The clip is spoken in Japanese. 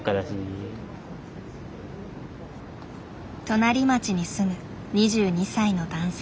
隣町に住む２２歳の男性。